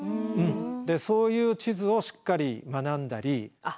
でそういう地図をしっかり学んだり。